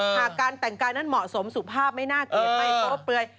การแต่งกายนั้นเหมาะสมสุภาพไม่น่าเกลียดไม่โป๊ะเปลือย